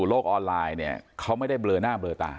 โลกออนไลน์เนี่ยเขาไม่ได้เบลอหน้าเบลอตา